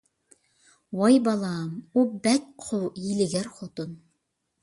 ۋاي بالام، ئۇ بەك قۇۋ، ھىيلىگەر خوتۇن.